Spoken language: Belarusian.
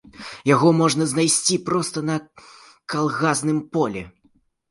Яго можна знайсці проста на калгасным полі.